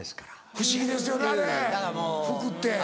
不思議ですよねあれ服って。